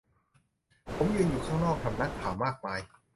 ผมยืนอยู่ข้างนอก กับนักข่าวมากมาย